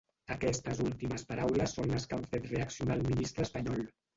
Aquestes últimes paraules són les que han fet reaccionar el ministre espanyol.